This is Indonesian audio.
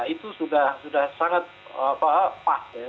itu sudah sangat pas ya